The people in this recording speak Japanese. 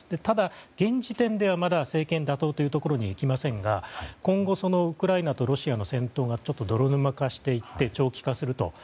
ただ現時点ではまだ政権打倒というところにいきませんが今後、ウクライナとロシアの戦闘が泥沼化していって長期化すると。